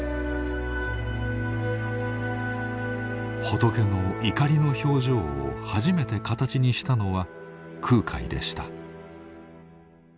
仏の怒りの表情を初めて形にしたのは空海でした。